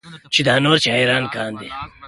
چې دا نور شاعران کاندي